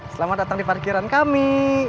selamat datang di parkiran kami